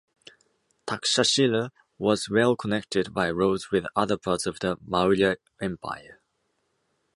Takshashila was well connected by roads with other parts of the Maurya empire.